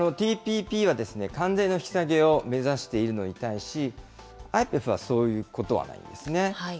ＴＰＰは、関税の引き下げを目指しているのに対し、ＩＰＥＦはそういうことはないんですね。